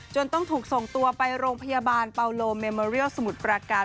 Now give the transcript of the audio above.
ต้องถูกส่งตัวไปโรงพยาบาลเปาโลเมมอเรียลสมุทรปราการ